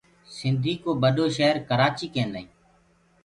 سنٚڌي ڪو ٻڏو شير ڪرآچيٚ ڪينٚدآئينٚ